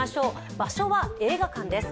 場所は映画館です。